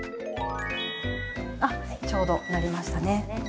あっちょうどなりましたね。